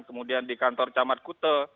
kemudian di kantor camat kute